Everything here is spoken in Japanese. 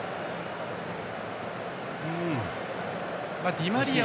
ディマリア